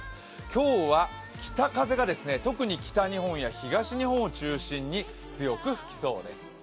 今日は北風が特に北日本や東日本を中心に強く吹きそうです。